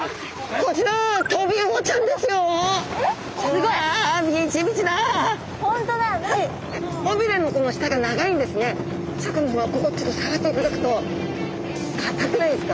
ここをちょっと触っていただくと硬くないですか？